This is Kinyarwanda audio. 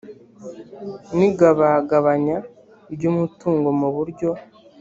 n igabagabanya ry umutungo mu buryo